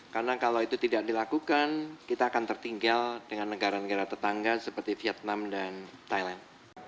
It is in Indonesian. karena kalau itu tidak dilakukan kita akan tertinggal dengan negara negara tetangga seperti vietnam dan thailand